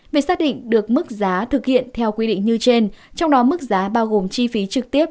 việc xác định được mức giá thực hiện theo quy định như trên trong đó mức giá bao gồm chi phí trực tiếp